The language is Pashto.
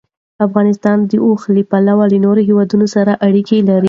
افغانستان د اوښ له پلوه له نورو هېوادونو سره اړیکې لري.